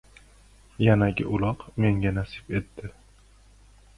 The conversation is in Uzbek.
Yanagi uloq menga nasib etdi.